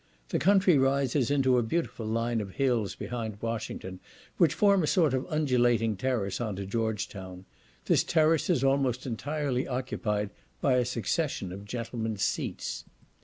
The country rises into a beautiful line of hills behind Washington, which form a sort of undulating terrace on to George Town; this terrace is almost entirely occupied by a succession of gentlemen's seats.